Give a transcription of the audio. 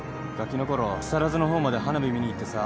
木更津の方まで花火見に行ってさ。